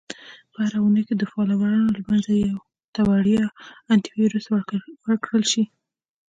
- په هره اونۍ کې د فالوورانو له منځه یو ته وړیا Antivirus ورکړل شي.